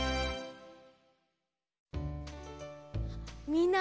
みんな！